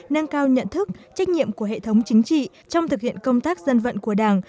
nâng cao nhận thức trách nhiệm của hệ thống chính trị trong thực hiện công tác dân vận của đảng